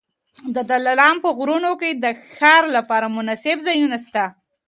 د دلارام په غرونو کي د ښکار لپاره مناسب ځایونه سته.